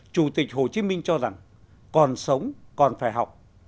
chủ tịch hồ chí minh cho rằng còn sống còn phải học